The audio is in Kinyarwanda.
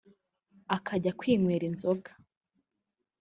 akajya kwinywera inzoga